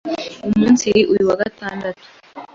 Umunsiri uyu wa Gatandatu